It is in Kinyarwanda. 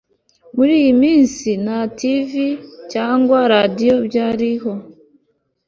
Muri iyo minsi nta TV cyangwa radiyo byariho